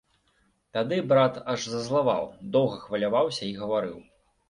Тады брат аж зазлаваў, доўга хваляваўся і гаварыў.